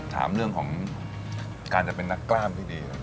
ถามเรื่องของการจะเป็นนักกล้ามที่ดี